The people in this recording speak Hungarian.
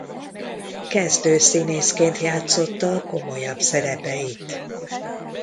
Kezdő színészként játszotta komolyabb szerepeit.